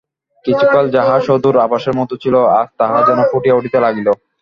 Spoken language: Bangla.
কিছুকাল যাহা সুদূর আভাসের মতো ছিল, আজ তাহা যেন ফুটিয়া উঠিতে লাগিল।